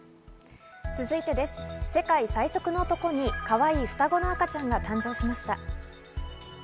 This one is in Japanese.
世界最速の男にかわいい双子の赤ちゃんが誕生しました。